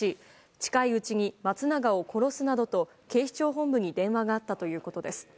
近いうちに松永を殺すなどと警視庁本部に電話があったということです。